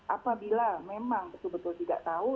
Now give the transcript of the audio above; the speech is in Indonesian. apabila memang betul betul tidak tahu